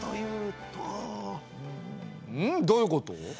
うん？どういうこと？